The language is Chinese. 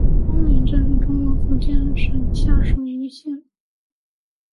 东岭镇是中国福建省泉州市惠安县下辖的一个镇。